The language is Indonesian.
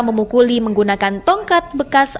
memukuli menggunakan tongkat bekas